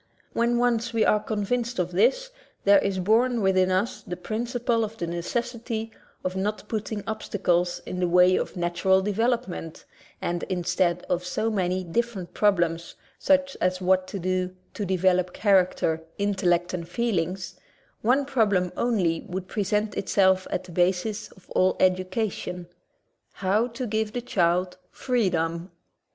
When once we are convinced of this, there is born within us the principle of the necessity of not putting obstacles in the way of natural development, and instead of so many different problems, such as what to do to develop character, intellect, and feelings, one problem only would present itself as the V basis of all education — how to give the child freedom.